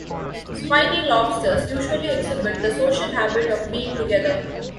Spiny lobsters usually exhibit the social habit of being together.